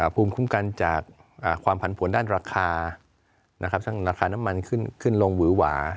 ภูมิคุ้มกันจากความผันผวนด้านราคาซึ่งราคาน้ำมันขึ้นลงหวือหวา